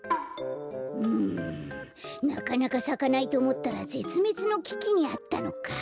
うんなかなかさかないとおもったらぜつめつのききにあったのか。